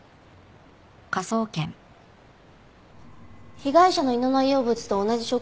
被害者の胃の内容物と同じ食材の料理